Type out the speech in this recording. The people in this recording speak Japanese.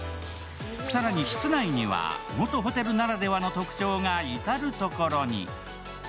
更に、室内には元ホテルならではの特徴が至る所に。